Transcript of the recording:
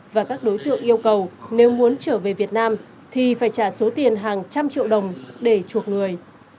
và các đối tượng yêu cầu nếu muốn trở về việt nam thì phải trả số tiền hàng trăm triệu đồng để chuộc người